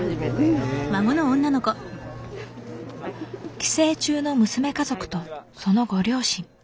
帰省中の娘家族とそのご両親。